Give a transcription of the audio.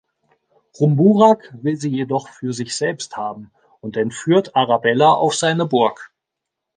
Rumburak will sie jedoch für sich selbst haben und entführt Arabella auf seine Burg.